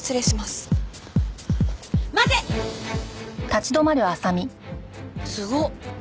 すごっ。